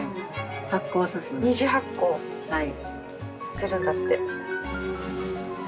２次発酵させるんだって。